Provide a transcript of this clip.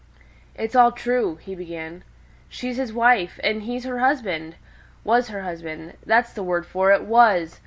"It's all true," he began; "she's his wife, and he's her husband was her husband that's the word for it was!